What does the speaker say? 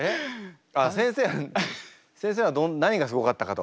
あっ先生先生は何がすごかったかと？